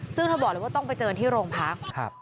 ซึ่งเธอบอกเลยว่าต้องไปเจอที่โรงพัก